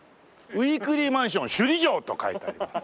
「ウィークリーマンション首里城」と書いてあります。